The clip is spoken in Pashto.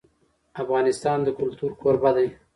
افغانستان د کلتور کوربه دی.